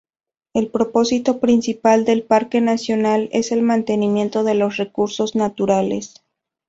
El propósito principal del parque nacional es el mantenimiento de los recursos naturales.